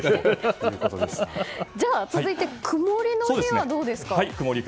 続いて曇りの日はどうですか？